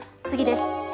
次です。